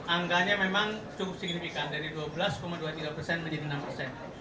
angkanya memang cukup signifikan dari dua belas dua puluh tiga persen menjadi enam persen